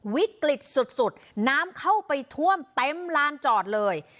วิกฤตสุดน้ำเข้าไปท่วมเต็มลานจอดเลย